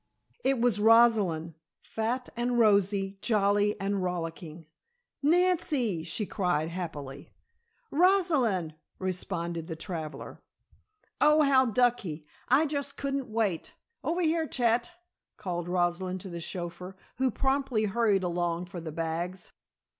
It was Rosalind! Fat and rosy, jolly and rollicking. "Nancy!" she cried happily. "Rosalind!" responded the traveller. "Oh, how ducky! I just couldn't wait. Over here. Chet!" called Rosalind to the chauffeur, who promptly hurried along for the bags.